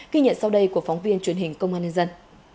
ghi nhận sau đây của phóng viên truyền hình công an nhân dân